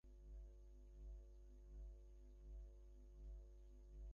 বিএনপির প্রধানই সব সময় ঠিক করে দেন ছাত্রদলের কমিটিতে কারা থাকবেন।